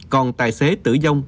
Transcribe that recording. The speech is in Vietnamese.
còn tài xế tử vong